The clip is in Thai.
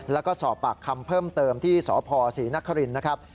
แล้วก็สอบปากคำเพิ่มเติมที่สพศรีนครินนะครับ